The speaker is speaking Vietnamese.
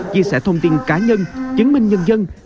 chia sẻ thông tin cá nhân chứng minh nhân dân